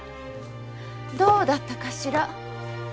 どうだったかしら。